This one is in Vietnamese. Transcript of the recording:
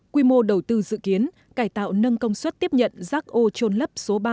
quy mô đầu tư dự kiến cải tạo nâng công suất tiếp nhận rác ô trôn lấp số ba